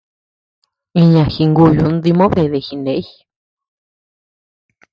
Iña jinguyu dimoʼö beede jiney.